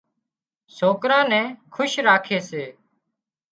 سوڪران نين خوش راکي سي